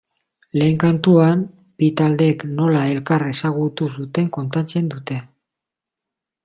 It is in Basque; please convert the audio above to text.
Lehen kantuan bi taldeek nola elkar ezagutu zuten kontatzen dute.